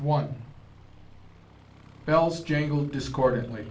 ] Bells jangled discordantly.